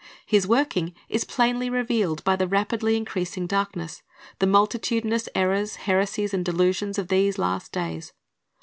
"^ His working is plainly revealed by the rapidly increasing darkness, the multitudinous errors, heresies, and delusions of these last days.